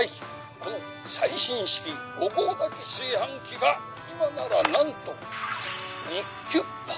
この最新式５合炊き炊飯器が今なら何とニッキュッパ。